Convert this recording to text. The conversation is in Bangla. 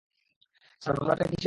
স্যার, মামলাটা কিসের?